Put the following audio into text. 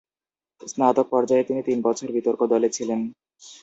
স্নাতক পর্যায়ে তিনি তিন বছর বিতর্ক দলে ছিলেন।